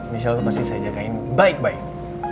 michelle tuh pasti saya jagain baik baik